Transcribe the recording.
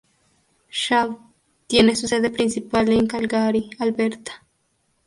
Shaw tiene su sede principal en Calgary, Alberta.